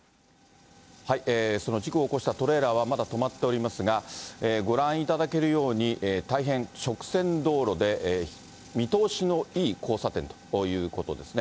その事故を起こしたトレーラーはまだ止まっておりますが、ご覧いただけるように、大変直線道路で、見通しのいい交差点ということですね。